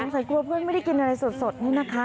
ใส่กลัวเพื่อนไม่ได้กินอะไรสดนี่นะคะ